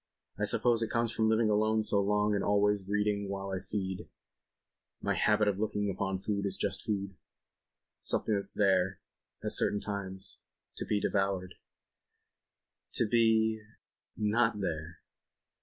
I suppose it comes of living alone so long and always reading while I feed ... my habit of looking upon food as just food ... something that's there, at certain times ... to be devoured ... to be ... not there."